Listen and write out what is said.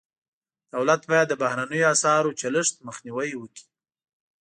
دولت باید د بهرنیو اسعارو چلښت مخنیوی وکړي.